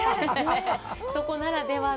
そこならではの。